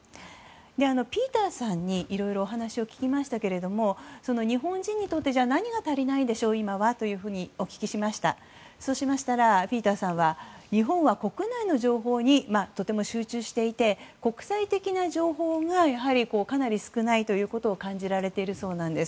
ピーターさんにいろいろお話を聞きましたけど日本人にとって今、何が足りないんでしょうとお聞きしましたら日本は国内の情報にとても集中していて国際的な情報がやはりかなり少ないと感じられているそうなんです。